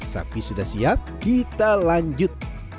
sapi sudah siap kita lanjut